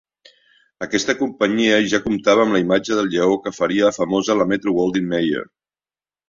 Aquesta companyia ja comptava amb la imatge del lleó que faria famosa la Metro-Goldwyn-Mayer.